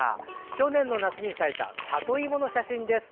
去年の夏に咲いた里芋の写真です。